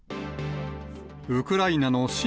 ウクライナの親